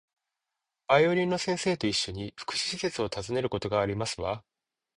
バイオリンの先生と一緒に、福祉施設を訪ねることがありますわ